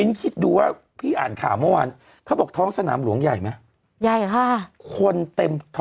มิ้นคิดดูว่าที่อ่านข่าวเมื่อวานเขาบอกท้องสนามหลวงใหญ่ไหม